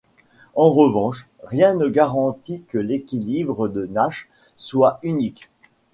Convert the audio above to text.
En revanche, rien ne garantit que l'équilibre de Nash soit unique.